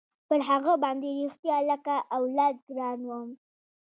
پر هغه باندې رښتيا لکه اولاد ګران وم.